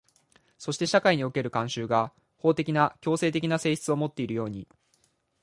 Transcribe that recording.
そして社会における慣習が法的な強制的な性質をもっているように、